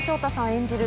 演じる